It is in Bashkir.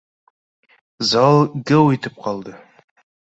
Зал геү итеп ҡалды